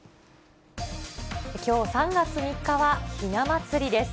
きょう３月３日はひな祭りです。